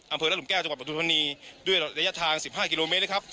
อำเภอรัดหลุมแก้จังหวัดปฐุมธรรมนี้ด้วยระยะทางสิบห้ากิโลเมตรนะครับ